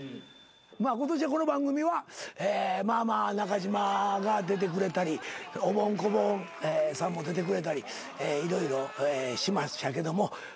今年はこの番組はまあまあ中島が出てくれたりおぼん・こぼんさんも出てくれたり色々しましたけども。